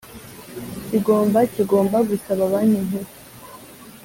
kigomba kigomba gusaba Banki Nkuru